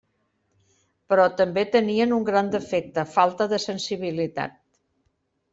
Però també tenien un gran defecte: falta de sensibilitat.